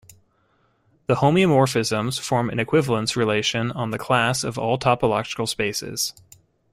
The homeomorphisms form an equivalence relation on the class of all topological spaces.